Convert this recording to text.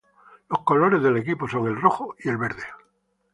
Los colores del equipo son el rojo y el verde.